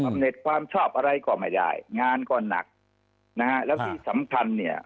เน็ตความชอบอะไรก็ไม่ได้งานก็หนักนะฮะแล้วที่สำคัญเนี่ย